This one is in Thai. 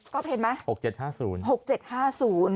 ก็เห็นไหมอุทิศ๖๗๕๐